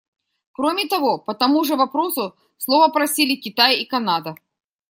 Кроме того, по тому же вопросу слова просили Китай и Канада.